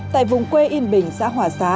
tại vùng quê yên bình xã hỏa xá